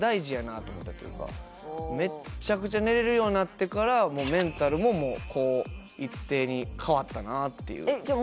めっちゃくちゃ寝れるようになってからメンタルもこう一定に変わったなっていうじゃあ